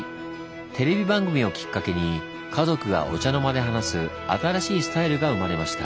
テレビ番組をきっかけに家族がお茶の間で話す新しいスタイルが生まれました。